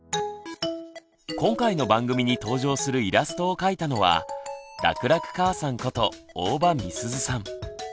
今回の番組に登場するイラストを描いたのは「楽々かあさん」こと大場美鈴さん。